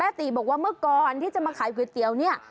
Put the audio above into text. ติบอกว่าเมื่อก่อนที่จะมาขายก๋วยเตี๋ยวเนี่ย